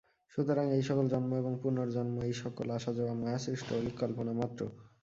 সুতরাং এই-সকল জন্ম এবং পুনর্জন্ম, এই-সকল আসা-যাওয়া মায়াসৃষ্ট অলীক কল্পনা মাত্র।